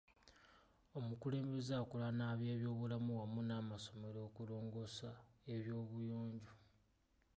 Omukulembeze akola n'abebyobulamu wamu n'amasomero okulongoosa eby'obuyonjo.